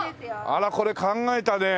あらこれ考えたねえ。